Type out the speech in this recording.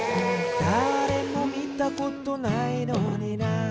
「だれもみたことないのにな」